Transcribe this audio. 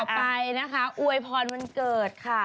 ต่อไปอ้วยพรวันเกิด